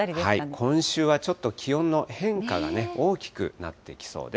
今週はちょっと気温の変化が大きくなってきそうです。